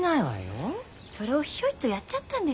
それをヒョイとやっちゃったんですよ。